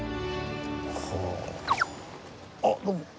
ほぉあっどうも。